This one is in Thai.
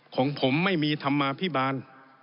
ของผมไม่มีธรรมาภิบาล